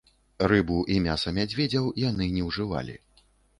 Рыбу і мяса мядзведзяў яны не ўжывалі.